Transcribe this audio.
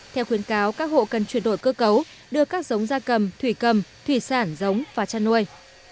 theo khuyến cáo các hộ cần chuyển đổi cơ cấu đưa các giống gia cầm thủy cầm thủy sản giống và chăn nuôi